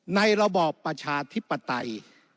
ระบอบประชาธิปไตย